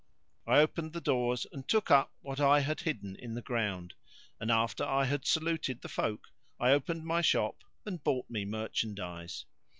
I opened the doors and took up what I had hidden in the ground; and after I had saluted the folk I opened my shop and bought me merchandise.